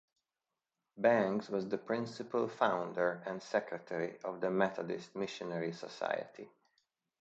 Bangs was the principal founder and secretary of the Methodist missionary society.